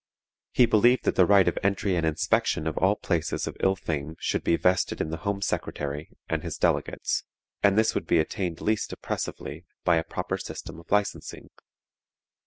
He believed that the right of entry and inspection of all places of ill fame should be vested in the Home Secretary and his delegates, and this would be attained least oppressively by a proper system of licensing.